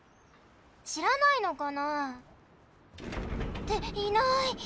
しらないのかな？っていない！